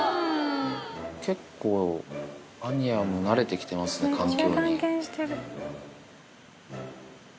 結構、アニヤも慣れてきてますね、環境に。